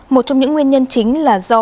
một trong những nguyên nhân chính là do